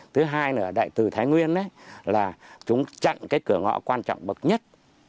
thứ hai là đại tử thái nguyên là chúng chặn cái cửa ngõ quan trọng bậc nhất